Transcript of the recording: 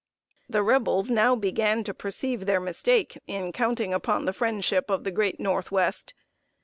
] The Rebels now began to perceive their mistake in counting upon the friendship of the great Northwest.